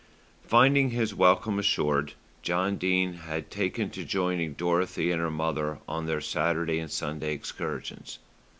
Finding his welcome assured, John Dene had taken to joining Dorothy and her mother on their Saturday and Sunday excursions.